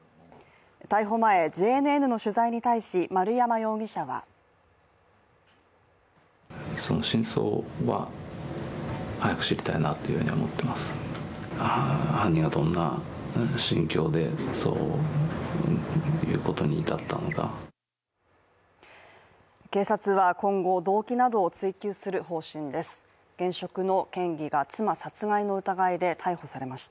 逮捕前、ＪＮＮの取材に対し、丸山容疑者は警察は今後、動機などを追及する方針です。